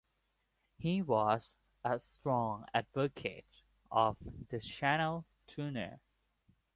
He was a strong advocate of the Channel Tunnel.